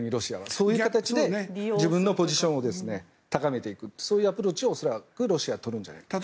そういう形で自分のポジションを高めていくそういうアプローチをロシアは取るんじゃないかと。